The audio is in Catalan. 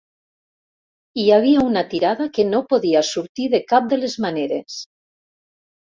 Hi havia una tirada que no podia sortir de cap de les maneres.